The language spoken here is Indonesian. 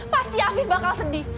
pasti afif bakal sedih